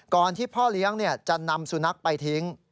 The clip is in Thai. ที่พ่อเลี้ยงจะนำสุนัขไปทิ้ง